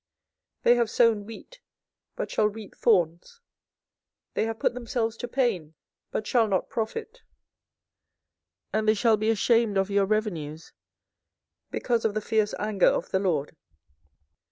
24:012:013 They have sown wheat, but shall reap thorns: they have put themselves to pain, but shall not profit: and they shall be ashamed of your revenues because of the fierce anger of the LORD.